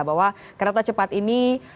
bahwa kereta cepat ini